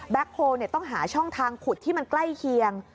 โฮลต้องหาช่องทางขุดที่มันใกล้เคียง